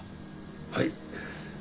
はい。